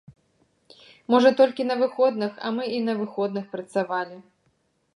Можа, толькі на выходных, а мы і на выходных працавалі.